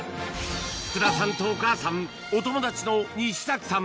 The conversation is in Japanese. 福田さんとお母さんお友達の西崎さん